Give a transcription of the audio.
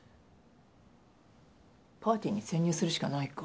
パーティーに潜入するしかないか。